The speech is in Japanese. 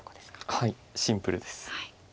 はいシンプルです。